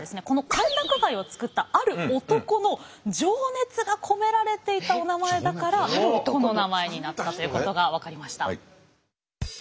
この歓楽街を作ったある男の情熱が込められていたおなまえだからこのおなまえになったということが分かりました。